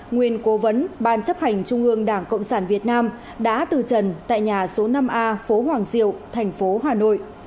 nguyên cố vấn ban chấp hành trung ương đảng cộng sản việt nam đã từ trần tại nhà số năm a phố hoàng diệu thành phố hà nội